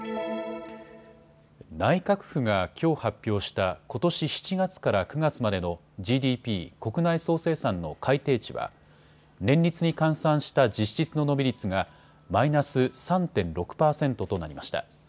内閣府がきょう発表したことし７月から９月までのＧＤＰ・国内総生産の改定値は年率に換算した実質の伸び率がマイナス３．６％となりました。